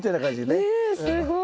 ねえすごい。